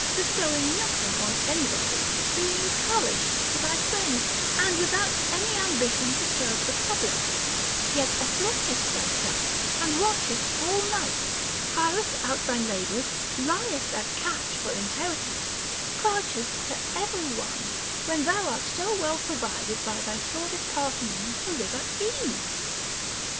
299 bestowing nothing on anybody, being currish to thy friends, and without any ambition to serve the public, — yet afflictest thyself and watchest whole nights, hirest out thy labors, liest at catch for inheritances, crouchest to every one, when thou art so well provided by thy sordid parsimony to live at ease